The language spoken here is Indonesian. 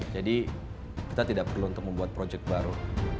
jadi kita tidak perlu untuk membuat proyek baru